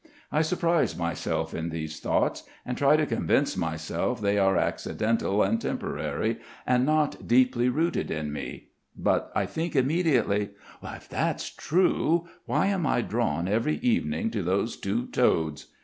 I surprise myself in these thoughts and try to convince myself they are accidental and temporary and not deeply rooted in me, but I think immediately: "If that's true, why am I drawn every evening to those two toads."